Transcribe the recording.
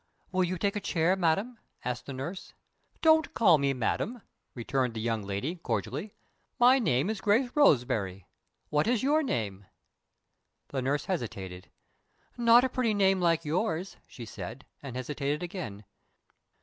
"Will you take a chair, madam?" asked the nurse. "Don't call me 'madam,'" returned the young lady, cordially. "My name is Grace Roseberry. What is your name?" The nurse hesitated. "Not a pretty name, like yours," she said, and hesitated again.